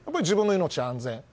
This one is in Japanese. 自分の命の安全。